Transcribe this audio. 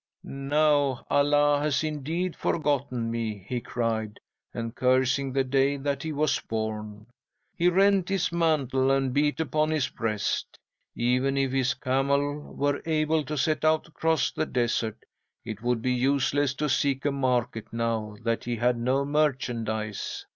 "'"Now, Allah has indeed forgotten me!" he cried, and cursing the day that he was born, he rent his mantle, and beat upon his breast. Even if his camel were able to set out across the desert, it would be useless to seek a market now that he had no merchandise.